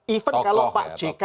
even kalau pak jk